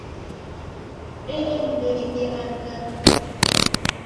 Eleghị anya